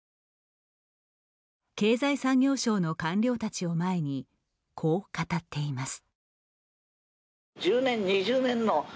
経済産業省の官僚たちを前にこう語っています。